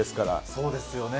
そうですよね。